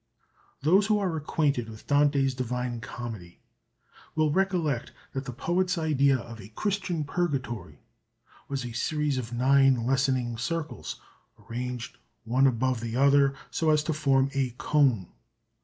Those who are acquainted with Dante's Divine Comedy will recollect that the poet's idea of a Christian Purgatory was a series of nine lessening circles arranged one above the other, so as to form a cone.